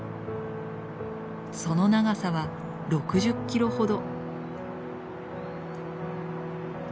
その長さは６０キロほど。